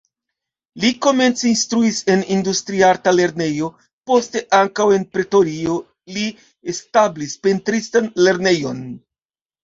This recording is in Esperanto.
Li komence instruis en industriarta lernejo, poste ankaŭ en Pretorio li establis pentristan lernejon.